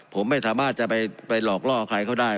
ผมไม่สามารถจะไปหลอกล่อใครเขาได้